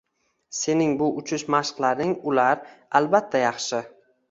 Sening bu uchish mashqlaring — ular, albatta, yaxshi